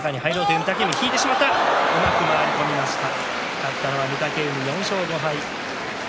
勝ったのは御嶽海４勝５敗。